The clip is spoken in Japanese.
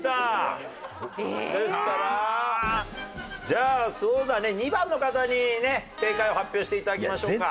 じゃあそうだね２番の方にね正解を発表して頂きましょうか。